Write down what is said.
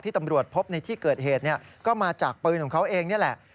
ตำรวจพบในที่เกิดเหตุก็มาจากปืนของเขาเองนี่แหละ